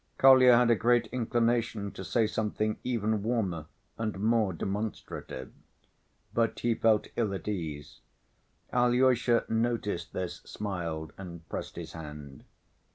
Kolya had a great inclination to say something even warmer and more demonstrative, but he felt ill at ease. Alyosha noticed this, smiled, and pressed his hand.